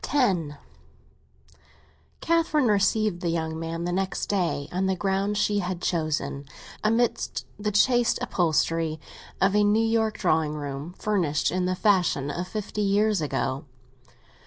X CATHERINE received the young man the next day on the ground she had chosen—amid the chaste upholstery of a New York drawing room furnished in the fashion of fifty years ago.